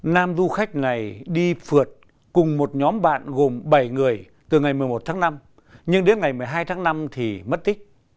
nam du khách này đi phượt cùng một nhóm bạn gồm bảy người từ ngày một mươi một tháng năm nhưng đến ngày một mươi hai tháng năm thì mất tích